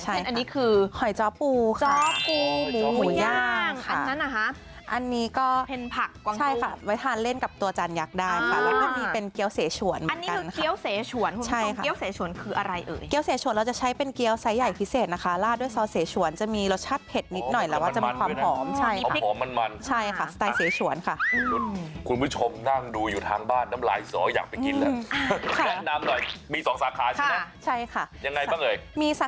อันนี้คือหอยจ้อปูค่ะจ้อปูหมูย่างค่ะอันนั้นอ่ะฮะอันนี้ก็เผ็นผักกวางตู้ใช่ค่ะไว้ทานเล่นกับตัวจานยักษ์ได้ค่ะแล้วก็มีเป็นเกี้ยวเสชวนเหมือนกันอันนี้คือเกี้ยวเสชวนคืออะไรเอ่ยเกี้ยวเสชวนเราจะใช้เป็นเกี้ยวไซส์ใหญ่พิเศษนะคะลาดด้วยซอสเสชวนจะมีรสชาติเผ็ดนิดหน่อยแล้วว่าจะมีความหอมใช่